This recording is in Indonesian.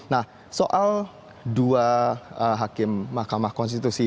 nah soal dua hakim mahkamah konstitusi